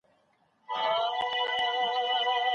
ډيرو خلګو تحفې نفلي عمل وګاڼه.